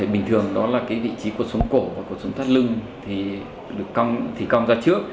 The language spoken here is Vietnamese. đường đó là vị trí cột sống cổ và cột sống thắt lưng thì cong ra trước